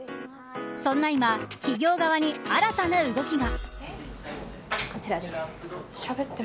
そんな今企業側に新たな動きが。